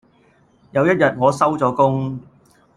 有一日我收咗工